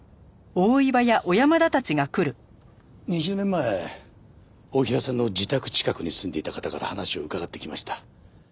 ２０年前太平さんの自宅近くに住んでいた方から話を伺ってきました。